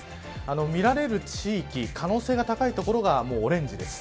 見られる地域可能性が高い所がオレンジです。